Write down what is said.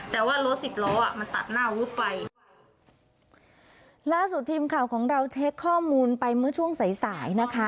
แต่ว่ารถสิบล้ออ่ะมันตัดหน้าวึบไปล่าสุดทีมข่าวของเราเช็คข้อมูลไปเมื่อช่วงสายสายนะคะ